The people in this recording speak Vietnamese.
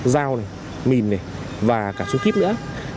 dao này mìn này và cả súng kíp nữa